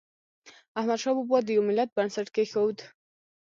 احمد شاه بابا د یو ملت بنسټ کېښود.